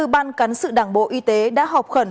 ban cán sự đảng bộ y tế đã họp khẩn